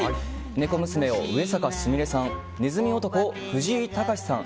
猫娘を上坂すみれさんねずみ男を藤井隆さん